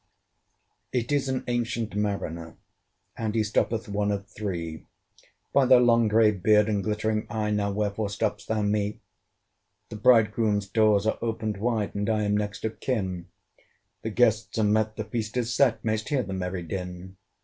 It is an ancient Mariner, And he stoppeth one of three. "By thy long grey beard and glittering eye, Now wherefore stopp'st thou me? "The Bridegroom's doors are opened wide, And I am next of kin; The guests are met, the feast is set: May'st hear the merry din."